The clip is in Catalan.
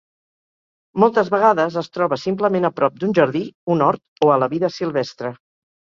Moltes vegades es troba simplement a prop d"un jardí, un hort o a la vida silvestre.